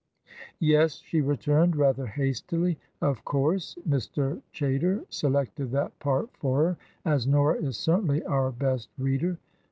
"Yes," she returned, rather hastily, "of course, Mr. Chaytor selected that part for her, as Nora is certainly our best reader.